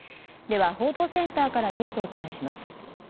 では報道センターからニュースをお伝えします。